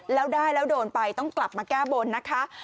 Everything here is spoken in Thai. แล้วได้แล้วโดนไปต้องกลับมาแก้บนนะคะ